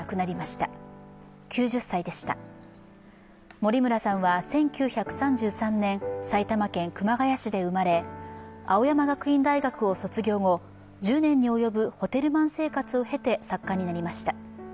森村さんは１９３３年埼玉県熊谷市で生まれ青山学院大学を卒業後、１０年に及ぶホテルマン生活を経て作家になりました。